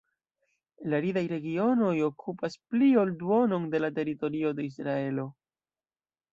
La aridaj regionoj okupas pli ol duonon de la teritorio de Israelo.